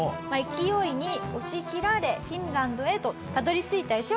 勢いに押し切られフィンランドへとたどり着いたヨシワラ社長。